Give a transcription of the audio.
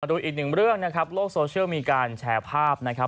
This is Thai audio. ดูอีกหนึ่งเรื่องนะครับโลกโซเชียลมีการแชร์ภาพนะครับ